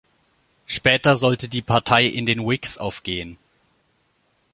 Später sollte die Partei in den Whigs aufgehen.